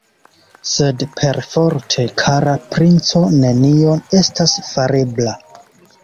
Sed perforte, kara princo, nenio estas farebla!